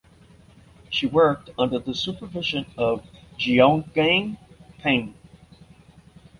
She worked under the supervision of Xiaogang Peng.